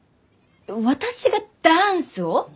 私がダンスを！？